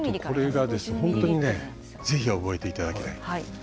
これはぜひ覚えていただきたい。